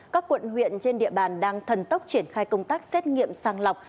các quận huyện trên địa bàn đang thần tốc triển khai công tác xét nghiệm sàng lọc